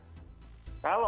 kalau ruang perawatan